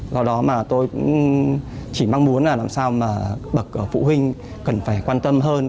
do đó mà tôi chỉ mang muốn là làm sao mà bậc phụ huynh cần phải quan tâm hơn